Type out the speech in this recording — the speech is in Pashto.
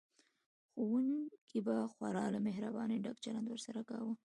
ښوونکي به خورا له مهربانۍ ډک چلند ورسره کوي